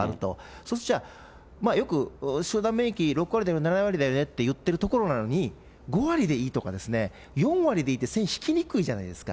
そうするとじゃあ、よく集団免疫６割だよね、７割だよねっていわれるところなのに、５割でいいとか、４割でいいですって線を引きにくいじゃないですか。